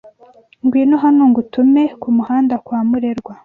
Ngwino hano ngutume kumuhanda kwa murerwa